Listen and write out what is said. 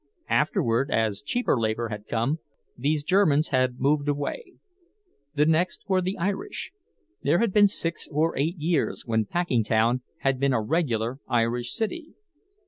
Afterward, as cheaper labor had come, these Germans had moved away. The next were the Irish—there had been six or eight years when Packingtown had been a regular Irish city.